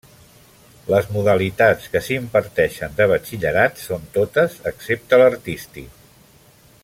Les modalitats que s'imparteixen de batxillerat són totes excepte l'artístic.